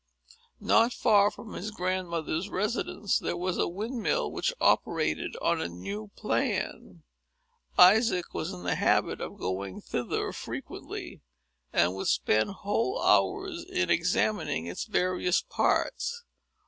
Not far from his grandmother's residence there was a windmill, which operated on a new plan. Isaac was in the habit of going thither frequently, and would spend whole hours in examining its various parts.